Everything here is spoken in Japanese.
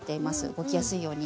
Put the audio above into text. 動きやすいように。